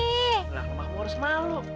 nah aku harus malu